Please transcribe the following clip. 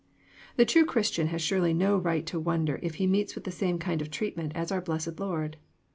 '* The true Christian has surely no right to wonder if he meets with the same kind of treatment as our blessed Lord.